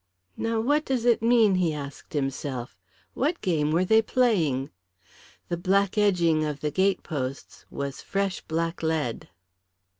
"Now what does it mean?" he asked himself. "What game were they playing?" The black edging of the gate posts was fresh blacklead.